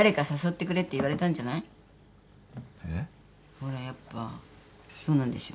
ほらやっぱそうなんでしょ？